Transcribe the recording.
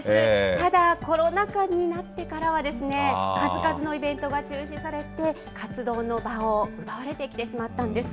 ただ、コロナ禍になってからは数々のイベントが中止されて、活動の場を奪われてきてしまったんです。